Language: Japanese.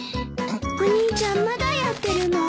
お兄ちゃんまだやってるの？